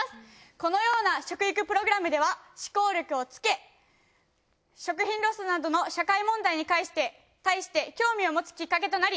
このような食育プログラムでは思考力をつけ食品ロスなどの社会問題に対して興味を持つきっかけとなり